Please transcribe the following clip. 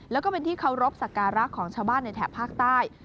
แล้วก็เป็นที่เคารพสักการะของชาวบ้านในแถบภาคใต้